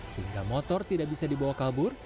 sehingga motor tidak bisa dibawa kabur